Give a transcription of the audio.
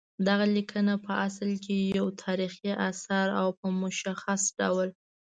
دغه لیکنه پع اصل کې یو تاریخي اثر او په مشخص ډول